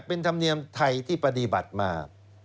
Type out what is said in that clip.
เป็นธรรมเนียมไทยที่ปฏิบัติมา